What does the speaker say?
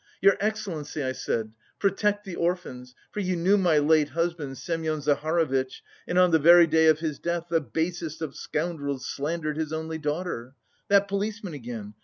'Your excellency,' I said, 'protect the orphans, for you knew my late husband, Semyon Zaharovitch, and on the very day of his death the basest of scoundrels slandered his only daughter.'... That policeman again!